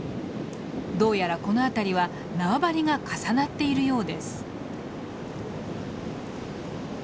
どうやらこの辺りは縄張りが重なっているようです。